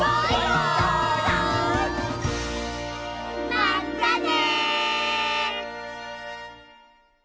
まったね！